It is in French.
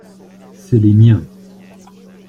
C’est les miens.